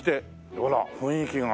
ほら雰囲気が。